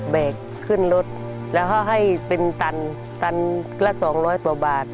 แบกขึ้นรถแล้วเขาให้เป็นตันตันละสองร้อยกว่าบาท